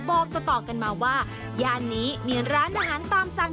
บอกต่อกันมาว่าย่านนี้มีร้านอาหารตามสั่ง